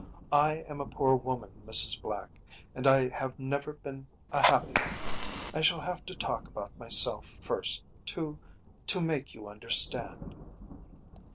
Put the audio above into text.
“I am a poor woman, Mrs. Black, and I have never been a happy one. I shall have to talk about myself first to to make you understand.